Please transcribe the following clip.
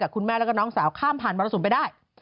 กับคุณแม่และกับน้องสาวข้ามผ่านบรรศุมินไปได้